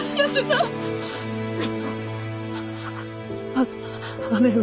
あ姉上。